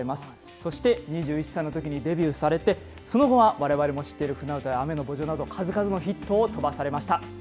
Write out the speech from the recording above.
そして、２１歳のときにデビューされて、その後はわれわれも知っている舟唄や雨の慕情など、数々のヒットを飛ばされました。